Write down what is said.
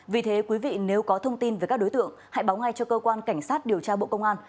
vì thế quý vị nếu có thông tin về các đối tượng hãy báo ngay cho cơ quan cảnh sát điều tra bộ công an